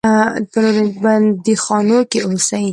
په نورو بندیخانو کې اوسي.